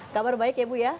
kabar baik ya bu ya